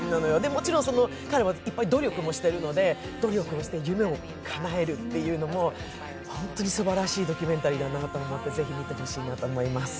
もちろん彼はいっぱい努力もしているので、努力をして夢をかなえるっていうのも本当にすばらしいドキュメンタリーだと思ってぜひ見てほしいなと思います。